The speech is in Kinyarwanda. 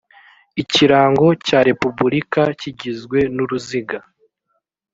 ikirango cya repubulika kigizwe n uruziga